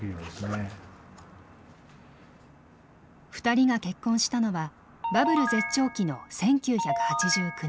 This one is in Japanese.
２人が結婚したのはバブル絶頂期の１９８９年。